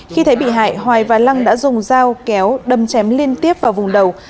khi thấy bị hại hoài và lăng đã dùng dao kéo đâm chém liên tiếp vào vùng đầu